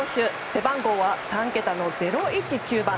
背番号は３桁の０１９番。